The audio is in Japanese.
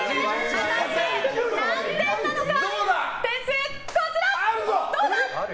果たして何点なのか！